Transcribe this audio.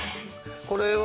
これは